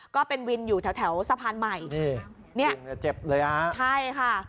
ก็เป็นวินอยู่แถวสะพานใหม่นี่ลุงเจ็บเลยอ่ะใช่ค่ะ